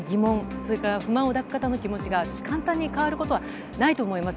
それから不満を抱く方の気持ちは簡単に変わることはないと思います。